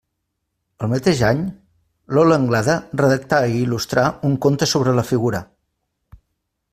El mateix any, Lola Anglada redactà i il·lustrà un conte sobre la figura.